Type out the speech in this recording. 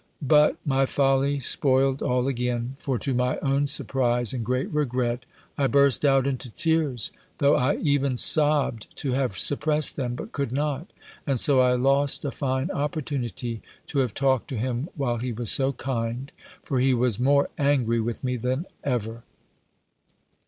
But my folly spoiled all again; for, to my own surprise, and great regret, I burst out into tears; though I even sobbed to have suppressed them, but could not; and so I lost a fine opportunity to have talked to him while he was so kind; for he was more angry with me than ever.